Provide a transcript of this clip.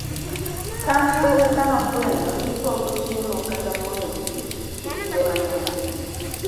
kanyo eka nofwenyo ni pok ochiemo kata modho pi e kinde mang'eny